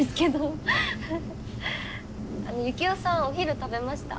ユキオさんお昼食べました？